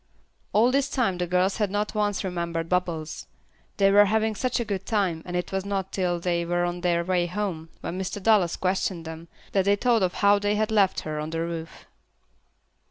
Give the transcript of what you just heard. All this time the girls had not once remembered Bubbles. They were having such a good time, and it was not till they were on their way home, when Mr. Dallas questioned them, that they thought of how they had left her on the roof.